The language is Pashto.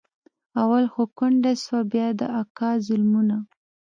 اول خو کونډه سوه بيا د اکا ظلمونه.